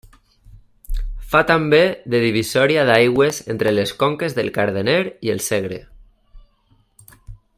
Fa també de divisòria d'aigües entre les conques del Cardener i el Segre.